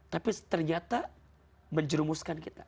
tapi ternyata menjerumuskan kita